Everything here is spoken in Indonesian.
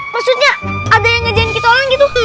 maksudnya ada yang ngajakin kita tolong gitu